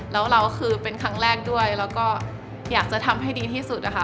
แล้วเราก็คือเป็นครั้งแรกด้วยแล้วก็อยากจะทำให้ดีที่สุดนะคะ